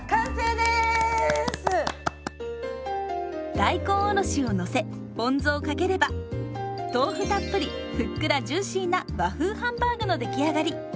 大根おろしを載せポン酢をかければ豆腐たっぷりふっくらジューシーな「和風ハンバーグ」の出来上がり！